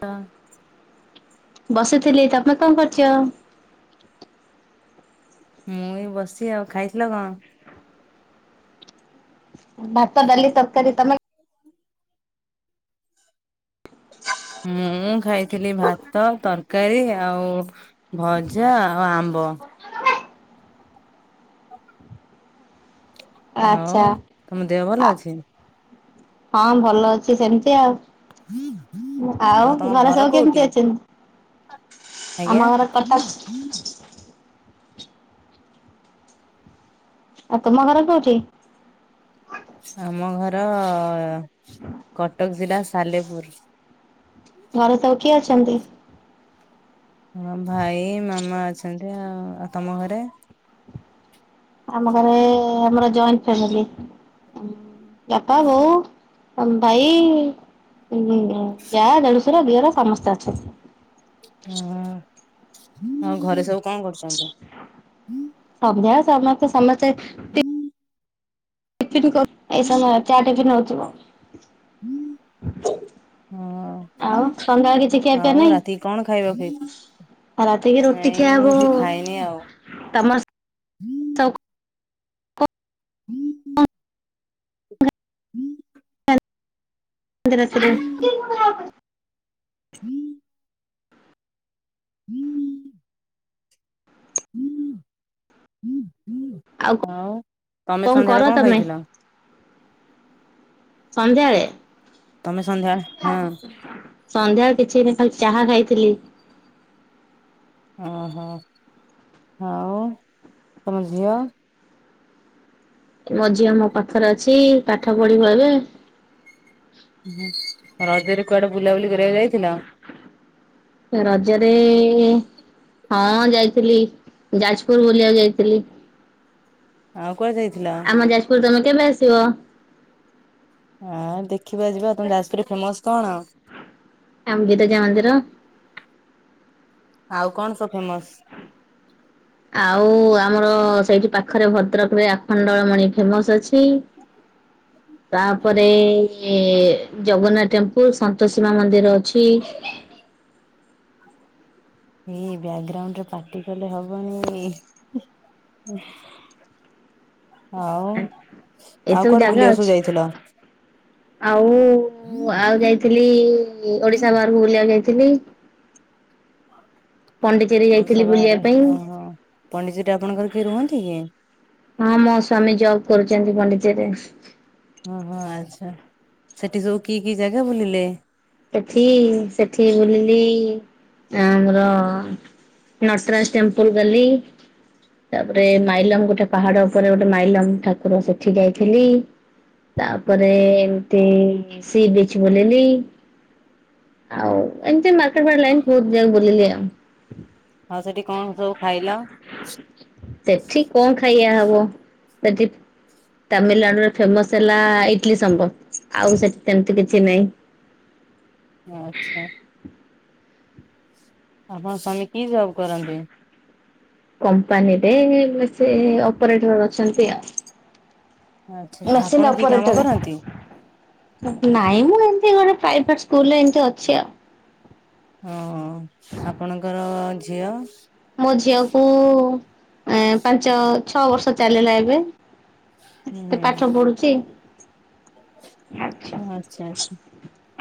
କଣ? ବସିଥିଲି ତମେ କଣ କରୁଛ? ମୁଏଇ ବସି ଆଉ ଖାଇଥିଲ କଣ? ଭାତଡାଲି ତରକାରୀ ତମେ? ହଁ ମୁଁ ଖାଇଥିଲି ଭାତ ତରକାରୀ ଆଉ ଭଜା ଆଉ ଆମ୍ବ ମ୍ବ। ଆଚ୍ଛା ହଉ ଦେହ ଭଲ ଆ ଅଛି? ହଁ ଭଲ ଅଛି ସେମିତି ଆଉ। ତମ ଆଉ ଘରେ ଘର ସବୁ କୋଉଠି? କେମିତି ଅଛନ୍ତି? ଆମ ଆଜ୍ଞା? ଘର କଟକ ଆ ତୁ ମ ଘର କୋଉଠି? ଆମ ଘର କଟକ ଜିଲ୍ଲା ସାଲେପୁର। ଘରେ ସବୁ କିଏ ଅଛନ୍ତି? ହଁ ଭାଇ ମାମା ଅଛନ୍ତି ଆଉଉ ତମ ଘରେ? ଆମ ଘରେ ଆମର ଜଏଣ୍ଟ ଫ୍ୟାମିଲି ବାପା ବୋଉ ଭାଇ ଯା ଦେଢଶୁର ଦିଅର ସମସ୍ତେ ଅଛନ୍ତି। ହଁ ଆଉ ଘରେ ସବୁ କଣ କରୁଛନ୍ତି? ସନ୍ଧ୍ୟାବେଳେ ସମସ୍ତେ ସମତେ ହୁଁ। ଟିଫିନ୍ କର-ଏଇ ସମୟ ଚା ଟିଫିନ୍ ହଉଥିବ। ହୁଁ। ଆଉ ସନ୍ଧ୍ୟାବେଳେ କିଛି ହଁ ଖିଆପିଆ ଆଉ ନାହିଁ? ରାତି କି କଣ ଖାଇବାକୁ ହେଇ ରାତିକି ରୁଟି ଖିଆହବ ଆଉ। ତମର୍ ସବ୍ ହୁଁ ହୁଁ। ହୁଁ। ଖାଆନ୍ତି ରାତିରେ। ହୁଁ। ହୁଁ ହୁଁ ହୁଁ ଆଉ ତମେ କର ସନ୍ଧ୍ୟାବେଳେ କଣ ତମେ ଖାଇଥିଲ? ସନ୍ଧ୍ୟାବେଳେ? ତମେ ସନ୍ଧ୍ୟାବେଳେ ହଁ ସନ୍ଧ୍ୟାବେଳେ କିଛି ନାଇ ଖାଲି ଚାହା ଖାଇଥିଲି। ଓହୋ ଆଉ ତମ ଝିଅ? ମୋ ଝିଅ ମୋ ପାଖରେ ଅଛି। ପାଠ ପଢିବ ଏବେ ରଜରେ କୁଆଡେ ବୁଲାବୁଲି କରିବାକୁ ଯାଇଥିଲ? ରଜରେ ହଁ ଯାଇଥିଲି ଯାଜପୁର ବୁଲିବାକୁ ଯାଇଥିଲି। ଆଉ କୁଆଡେ ଯାଇଥିଲ? ଆମ ଯାଜପୁର ତମେ କେବେ ଆସିବ? ହଁ ଦେଖିବା ଯିବା। ତମ ଯାଜପୁରରେ ଫେମସ କଣ? ଆମ ବିରଜା ମନ୍ଦିର। ଆଉ କଣ ସବୁ ଫେମସ? ଆଉ ଆ ଆମର ସେଇଠି ପାଖରେ ଭଦ୍ରକ ରେ ଆଖଣ୍ଡଳମଣି ଫେମସ ଅଛି ହୁଁ। ତାପରେ ଜଗନ୍ନାଥ ଟେମ୍ପୁଲ ସନ୍ତୋଷୀ ମା ମନ୍ଦିର ଅଛି ହ [unintelligible] ଏଇ ବ୍ୟାକଗ୍ରାଉଣ୍ଡରେ ପାଟି କଲେ ହବନି ହଉ ଆଉ ଏସବୁ କୁଆଡେ ଜାଗା ବୁଲିବାକୁ ଅଛି। ସବୁ ଯାଇଥିଲ? ଆଉ ଆଉ ଯାଇଥିଲି ଓଡିଶା ବାହାରକୁ ବୁଲିବାକୁ ଯାଇଥିଲି। ହ [unintelligible] ପଣ୍ଡିଚେରୀ ଯାଇଥିଲି ଓଡ଼ିଷା ବୁଲିବା ବାହାରେ ପାଇଁ ଓହୋ ପଣ୍ଡିଚେରୀରେ ଆପଣଙ୍କର କିଏ ରୁହନ୍ତି କି? ହଁ ମୋ ସ୍ଵାମୀ ଜବ କରୁଛନ୍ତି ପଣ୍ଡିଚେରୀରେ। ଓହୋ ଆଚ୍ଛା ସେଠି ସବୁ କି କି ଜାଗା ବୁଲିଲେ? ସେଠି ସେଠି ବୁଲିଲି ଆମର ନଟରାଜ ଟେମ୍ପଲ ଗଲି ତାପରେ ମାଇଲମ ଗୋଟେ ପାହାଡ ଉପରେ ଗୋଟେ ମାଇଲମ ଠାକୁର ସେଠି ଯାଇଥିଲି। ତାପରେ ଏମତି ସି ବିଚ ବୁଲିଲି। ଆଉ ଏମିତି ମାର୍କେଟ ଫାର୍କେଟ ଲାଇନ୍ ବହୁତ ଜାଗା ବୁଲିଲି ଆଉ। ଆଉ ସେଠି କଣ ସବୁ ଖାଇଲ? ସେଠି କଣ ଖାଇବା ହବ ଯଦି ତାମିଲନାଡୁରେ ଫେମସ ହେଲା ଇଡଲି ସମ୍ବର ଆଉ ସେଠି ସେମତି କିଛି ନାହିଁ? ଆଚ୍ଛା। ଆପଣଙ୍କ ସ୍ୱାମୀ କି ଜବ କରନ୍ତି? କମ୍ପାନୀରେ ବ ସେ ଅପରେଟର ଅଛନ୍ତି ଆଉ। ଆଚ୍ଛା ଆଚ୍ଛା ଆପଣ ମେସିନ କି କାମ ଅପରେଟର କରନ୍ତି? ନାଇଁ ମ ଏମତି ଗୋଟେ ପ୍ରାଇଭେଟ ସ୍କୁଲ ଏମତି ଅଛି ଆଉ। ହଁ ଆପଣଙ୍କର ଝିଅ? ମୋ ଝିଅ କୁ ଏ ପାଞ୍ଚ ଛଅ ବର୍ଷ ଚାଲିଲା ଏବେ। ସେ ପାଠ ପଢୁଛି। ଆଚ୍ଛା ହୁଁ ଆଚ୍ଛା ଆଛା।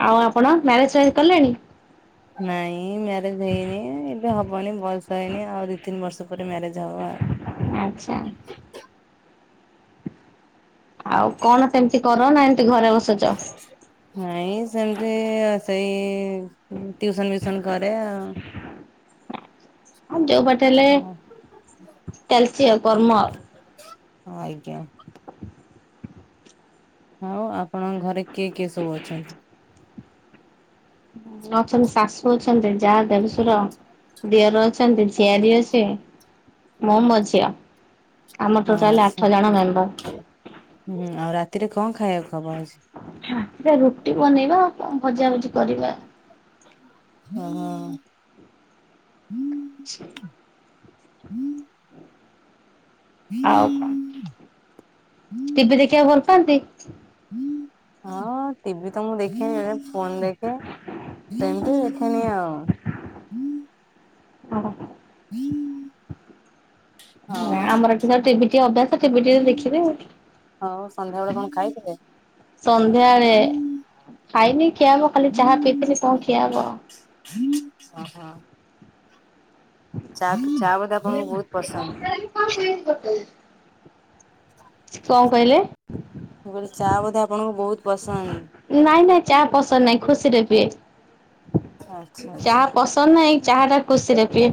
ଆଉ ଆପଣ ମ୍ୟାରେଜ ଫ୍ୟାରେଜ୍ କଲେଣି? ନାଇଁ ମ୍ୟାରେଜ ହେଇନି ଏବେ ହବନି ବୟସ୍ ହେଇନି ଆଉ ଦୁଇ ତିନି ବର୍ଷ ପରେ ମ୍ୟାରେଜ ହବ ଆଉ। ଆଚ୍ଛା ଆଉ କଣ ସେମତି କର ନା ଏମତି ଘରେ ବସିଚ? [inaudible] ନାଇଁ ସେମିତି ସେଇ ଟ୍ୟୁସନ ଫସନ କରେ ଆଉ। ଆଉ ଯୋଉ ବାଟେ ହେଲେ ହଁ ଚାଲିଛି ଆଉ କର୍ମ। ଆଜ୍ଞା। ଆଉ ଆପଣଙ୍କ ଘରେ କିଏ କିଏ ସବୁ ଅଛନ୍ତି? ଅଛନ୍ତି ଶାଶୁ ଅଛନ୍ତି, ଯା, ଦେଡୁଶର, ଦିଅର ଅ ଅଛନ୍ତି ଝିଆରି ଅଛି, ମୁଁ ମୋ ଝିଅ। ଆମ ଟୋଟାଲି ଆଚ୍ଛା। ଆଠ ଜଣ ମେମ୍ବର। ହୁଁ ଆଉ ରାତିରେ କଣ ଖାଇବାକୁ ହବ ଆ ହ ରାତିରେ ରୁଟି ବନେଇବା ଆଉ କଣ ଭଜାଭଜି କରିବା। ହଁ ହ। [inaudible] ହୁଁ [unintelligible] ଆଉ କଣ, ଟିଭି ଦେଖିବାକୁ ଭଲ ପାଆନ୍ତି? ହଁ ଟିଭି ତ ମୁଁ ଦେଖେ ଏ ଫୋନ୍ ଦେଖେ ସେମିତି ଦେଖେନି ଆଉ। ହଁ ହଁ ଆମର ଏଠି ଖାଲି ଟିଭି ଟିଏ ଅଭ୍ୟାସ ଟିଭିଟିଏ ଦେଖିବେ। ହଉ ସନ୍ଧ୍ୟାବେଳେ କଣ ଖାଇଥିଲେ? ସନ୍ଧ୍ୟାବଳେ ଓହୋ ଖାଇନି ଖିଆ ହବ ଖାଲି ଚାହା ପିଇଥିଲି, କଣ ଖିଆ ହବ। ଓ ହୋ। ଚା ଚା ବୋଧେ ଆପଣଙ୍କୁ ବହୁତ ପସନ୍ଦ। କଣ କହିଲେ? ମୁଁ କହିଲି ଚା ବୋଧେ ଆପଣଙ୍କୁ ବହୁତ ପସନ୍ଦ। ନାଇଁ ନାଇଁ ଚାହା ପସନ୍ଦ ନାହିଁ। ଖୁସିରେ ପିଏ, ଆଚ୍ଛା ଚା ଆଚ୍ଛା ପସନ୍ଦ ନାହିଁ। ଚାହା ଟା ଖୁସିରେ ପିଏ।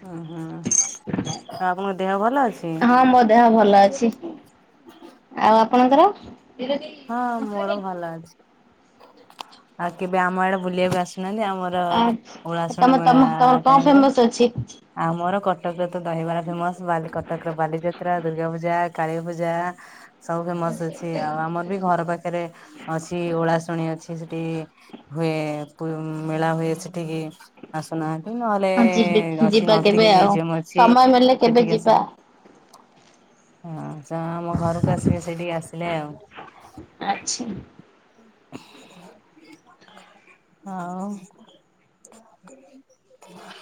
ହ ହୁଁ ହ ଆ ଆପଣଙ୍କ ଦେହ ଭଲ ଅଛି? ହଁ ମୋ ଦେହ ଭଲ ଅଛି ଆଉ ଆପଣଙ୍କର? ହଁ ମୋର ଭଲ ଅଛି। ଆଉ କେବେ ଆମ ଆଡେ ବୁଲିବାକୁ ଆସ ଉନାହାନ୍ତି ଆମର ଆଚ୍ଛା ଉଳାଶୁଣୀ ତମେ ତମ ତମର ମେଳା-ଆ-ଆ-ଆ କଣ ଟାଇମରେ। ଫେମସ ଅଛି? ଆମର କଟକରେ ତ ଦହିବାର ଫେମସ। ବାଲି କଟକର ବାଲିଯାତ୍ରା, ଦୁର୍ଗା ପୂଜା, କାଳୀ ପୂଜା। ସବୁ ଫେମସ ଅଛି। ଆଉ ଆମର ବି ଘର ପାଖରେ ଅଛି ଓଳା ଶୁଣି ଅଛି ସେଠିକି ହୁଏ ମେଳା ହୁଏ ସେଠିକି ଆସୁନା ନହେଲେ [unintelligible] ଯ କେବେ ଆଉ ମ୍ୟୁଜିୟମ ଅଛି ସମୟ ମିଳିଲେ କେବେ ସେଠିକି ଯିବା। ଆସନ୍ତୁ ହଁ ତ ଆମ ଘରକୁ ଆସିବେ ସେଇଠିକି ଆସିଲେ ଆଉ। ଆଚ୍ଛା ହଁ। ହ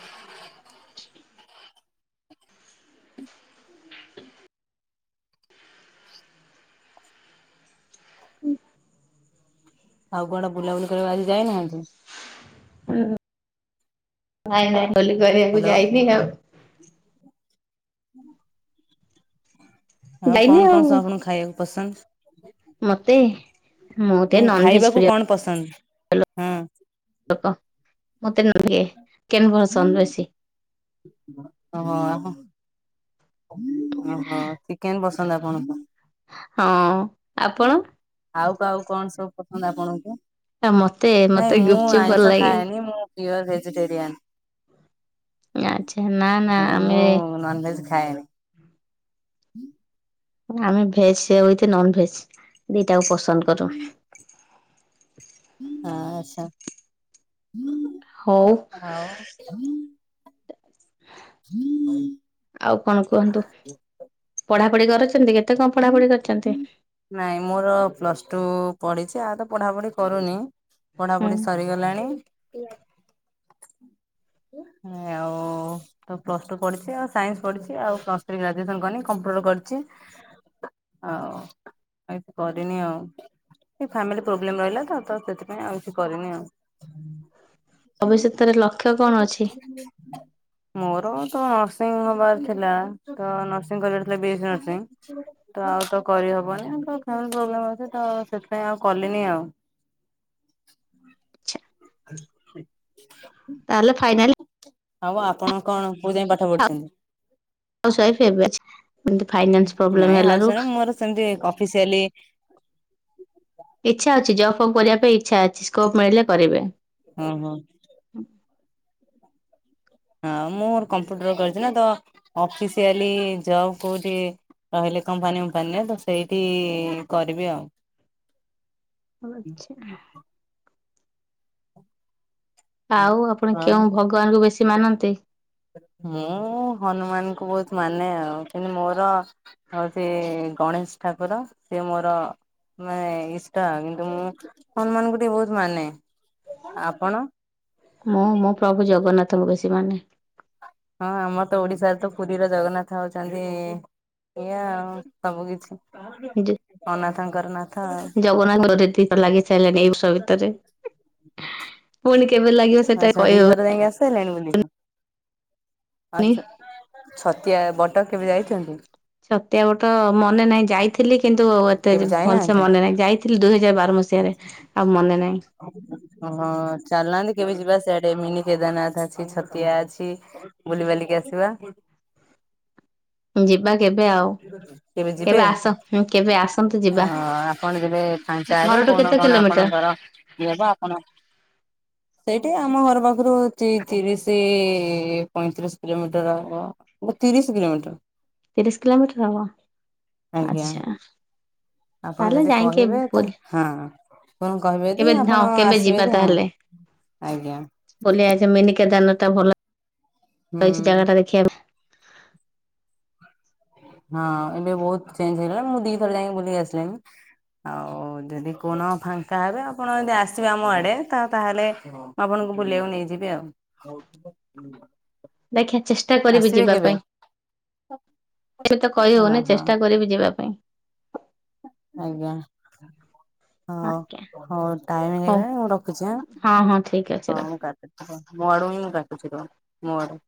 ହୁଁ, ଆଉ କୁଆଡେ ବୁଲାବୁଲି କରିବାକୁ ଆଜି ଯାଇନାହାନ୍ତି? ହଁ ନାଇଁ ନାଇଁ ବୁଲା ବୁଲି କରିବାକୁ ହ୍ୟାଲୋ ଯାଇନି ଆଉ। ଉ ହୁଁ। ଆଉ କଣ କଣ ସବୁ ଆପଣଙ୍କୁ ଖାଇବାକୁ ପସନ୍ଦ? ମତେ, ମୁଁ ଟିକେ ନାଇଁ ନନଭେଜ ଖାଇବାକୁ ପ୍ରିୟ କଣ ପସନ୍ଦ? ହଁ, [inaudible] ବେଶୀ ହଁ, ଓ ହୋ ଠିକ, କେନ୍ ପସନ୍ଦ ଆପଣଙ୍କୁ। ହଁ ଆପଣ ଆଉ ଆଉ କଣ ସବୁ ପସନ୍ଦ ଆପଣଙ୍କୁ? ମତେ ମତେ ନାଇଁ ମୁଁ ଗୁପଚୁପ ଭଲ ଆଇଁଷ ଲାଗେ ଖାଏନି, ମୁଁ ପିଓର ଭେଜିଟେରିଆନ ନା ଛେନା ନା ନାଇଁ ମୁଁ ଆମେ ହୁଁ ଆମେ ଭେଜ ସିଏ ହେଉଛି ନନ ଭେଜ ଦିଟାକୁ ପସନ୍ଦ କରୁ। ହଉ [unintelligible] ଆଉ କଣ କୁହନ୍ତୁ? ପଢାପଢି କରୁଛ [unintelligible] କେତେ କଣ ପଢାପଢି କରିଛନ୍ତି? ନାଇଁ ମୋର ପ୍ଲସ ଟୁ ପଢିଛି ଆଉ ତ ପଢାପଢି କରୁନି ହୁଁ ପଢାପଢି ସରିଗଲାଣି। ଆଉ ତ ପ୍ଲସ ଟୁ ପଢିଛି, ଆଉ ସାଇନ୍ସ ପଢିଛି, ଆଉ ପ୍ଲସ୍ ଥ୍ରୀ ଗ୍ରାଜୁଏସନ କରିନ କମ୍ପ୍ୟୁଟର କରି ଆଉ ଏ କରିନି ଆଉ ଫାମିଲି ପ୍ରୋବ୍ଲେମ ରହିଲା ତ, ସେଥିପାଇଁ ଆଉ କିଛି କରିନି ଆଉ ଭବିଷ୍ୟତରେ ଲକ୍ଷ୍ୟ କଣ ଅଛି? ମୋର ତ ନର୍ସିଂ ହବାର ଥିଲା ତ ନର୍ସିଂ କଲେଜ ଥିଲା ବି ନର୍ସିଂ ତ ଆଉ ତ କରିହବନି। ପ୍ରବ୍ଲେମ୍ ଅଛି ତ, ସେଥିପାଇଁ ଆଉ କଲିନି ଆଉ ଆଛା [unintelligible] ତାହେଲେ ଫାଇନାଲ ହଉ ଆପଣ କଣ କୋଉ ଯାଇ ପାଠ ପଢ଼ିଛନ୍ତି? ହାଉସୱାଇଫ୍ ଏବେ ଏମିତି ଫାଇନାନ୍ସ ପ୍ରୋବ୍ଲେମ ନାଇଁ ଆଉ ହେଲାରୁ ସବୁ ମୋର ସେମତି ଅଫିସିଆଲି ଇଛା ଅଛି, ଜବ୍ ଫବ୍ କରିବା ପାଇଁ ଇଛା ଅଛି, ସ୍କୋପ୍ ମିଳିଲେ କରିବେ। ହଁ ହଁ ହଁ ମୋର କମ୍ପ୍ୟୁଟର କରିଛି ନା, ତ ଅଫିସିଆଲି ଜବ କୋଉଠି? ରହିଲେ କମ୍ପାନୀଫମ୍ପାନୀରେ ତ ସେଇଠି କରିବି ଆଉ ଆଛା। ଆଉ ଆପଣ କେଉଁ ହଁ। ଭଗବାନଙ୍କୁ ବେଶୀ ମାନନ୍ତି? ମୁଁ ହନୁମାନଙ୍କୁ ବ ମାନେ ଉ ମୋର ହଉଛି ଗଣେଶ ଠାକୁର, ସିଏ ମୋର ମେ ଇଷ୍ଟା କିନ୍ତୁ ମୁଁ ହନୁମାନଙ୍କୁ ଟିକେ ବହୁତ ମାନେ, ଆପଣ? ମୁଁ ମୋ ପ୍ରଭୁ ଜଗନ୍ନାଥଙ୍କୁ ବେଶୀ ମାନେ। ହଁ ଆମର ତ ଓଡିଶାରେ ତ ପୁରୀର ଜଗନ୍ନାଥ ହଉଛନ୍ତି ଏଇଆ ଆଉ ସବୁ କିିଛି, ଅନାଥଙ୍କର ନା ଜଗନ୍ନାଥ [unintelligible] ପୁଣି କେବେ ଲାଗିବ [unintelligible] ସେଟା ହେଲାଣି କହିହବନି। ବୁ ଆ, ଛତିଆ ବଟ କେବେ ଯାଇଛନ୍ତି? ଛତିଆ ବଟ ମନେ ନାହିଁ ଯାଇଥିଲି କିନ୍ତୁ ଏତେ ଭଲସେ ମନେ ନାହିଁ, ଯାଇଥିଲି ଦୁହଜାର ହଁ ଚାଲୁ ନାହାନ୍ତି କେବେ ଯିବା ସେ ମିନି କେଦାରନାଥ ଅଛି, ଛତିଆ ଅଛି, ବୁଲିିବାଲିକି ଆସିବା। [inaudible] ଯିବା କେବେ ଆଉ। କେବେ ଯିବେ, ଆସ କେବେ ଆସନ୍ତୁ ହ ଯିବା ଆପଣ ଗଲେ କଣ ଖାଇବେ? ଘରଠୁ କଣ କେତେ କଣ କିଲୋମିଟର ଆପଣଙ୍କର ଏବ ଆପଣ ସେଇଠି ଆମ ଘର ପାଖରୁ ହଉଛି ତିରିଶ ପଇଁତିରିଶ, କିଲୋମିଟର ତିରିଶ [unintelligible] ତିରିଶ କିଲୋମିଟର ହବ, ଆଜ୍ଞା ଆଛା। ଆପଣ ଯଦି କହିବେ ତା ହଁ- କଣ କହିବେ ଯେ ଆପଣ ଆସିବେ କି, ହଁ ଆଜ୍ଞା ଭଲିଅଛି ମିନିକେଦାରନାଥ ଟା ଭଲ ହୁଁ। ରହିଛି ଜାଗା ଟା ଦେଖିବା ପାଇଁ ହଁ ଏବେ ବହୁତ ଚେଞ୍ଜ ହେଇଗଲାଣି, ମୁଁ ଦିଥର ଯାଇକି ବୁଲିକି ଆସିଲଣିି। ଆଉ-ଉ ଯଦି କୋଉଦିନ ଫାଙ୍କା ହେବେ ଆପଣ ଯଦି ଆସିବେ ଆମ ଆଡେ ତ ତାହେଲେ ଆପଣଙ୍କୁ ମୁଁ ବୁଲେଇବାକୁ ନେଇଯିବି ଆଉ ଦେଖେଁ ଚେଷ୍ଟା କରିବି ଆସିବେ ଯିବା କେବେ? ପାଇଁ [inaudible] ତ କହି ହଁ ହଉନି ହଁ ଚେଷ୍ଟା କରିବି ଯିବା ପାଇଁ। ଆଜ୍ଞା। ହଉ ଆଜ୍ଞା ହଉ ଟାଇମ୍ ହଉ ହେଇଗଲା ମୁଁ ରଖୁଛି ଆଁ ହଁ ହଁ ଠିକ ଅଛି ହଉ ରଖ ମୁଁ କାଟୁଛି ହଉ ମୋ ଆଡୁ ମୁଁ କାଟୁଛି ତ ମୋ ଆଡୁ।